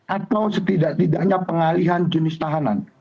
atau setidak tidaknya pengalihan jenis tahanan